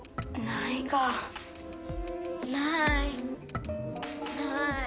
ないない。